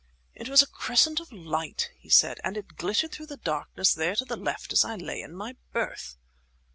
"It was a crescent of light," he said, "and it glittered through the darkness there to the left as I lay in my berth."